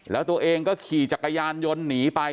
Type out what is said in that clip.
แล้วตัวเองก็ขี่จักรยานยนต์หนีไป